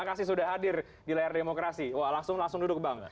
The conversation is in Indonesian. terima kasih sudah hadir di layar demokrasi wah langsung langsung duduk bang